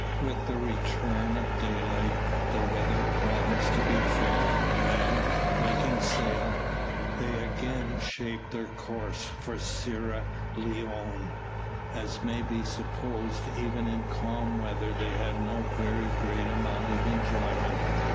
With the return of daylight the weather promised to be fair, and, making sail, they again shaped their course for Sierra Leone. As may be supposed, even in calm weather they had no very great amount of enjoyment.